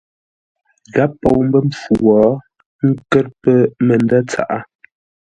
Gháp pou mbə́ mpfu wo, ə́ nkə̂r pə̂ məndə̂ tsaʼá.